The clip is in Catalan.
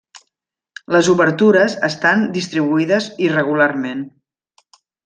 Les obertures estan distribuïdes irregularment.